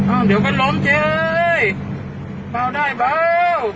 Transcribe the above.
อ้าวเดี๋ยวก็ล้มเจ๊เบาได้เบา